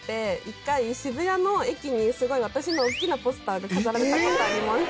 一回渋谷の駅にすごい私の大きなポスターが飾られた事あります。